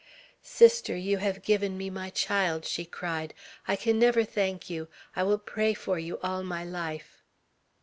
"Sister, you have given me my child," she cried; "I can never thank you; I will pray for you all my life."